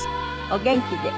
お元気で。